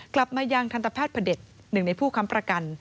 กลับมายังทันตแพทย์พระเด็จหนึ่งในผู้ค้ำประกัน